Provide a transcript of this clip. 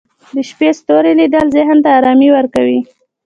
د شپې ستوري لیدل ذهن ته ارامي ورکوي